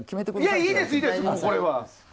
いいですいいです、これは。